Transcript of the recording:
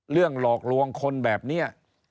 เรื่องหลอกลวงคนแบบนี้